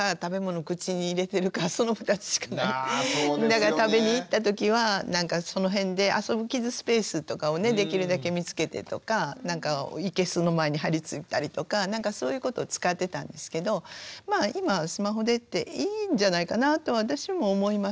だから食べに行った時はなんかその辺で遊ぶキッズスペースとかをねできるだけ見つけてとかなんか生けすの前に張り付いたりとかなんかそういうことを使ってたんですけどまあ今はスマホでっていいんじゃないかなぁと私も思います。